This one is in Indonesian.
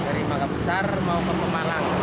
dari magabesar mau ke pemalang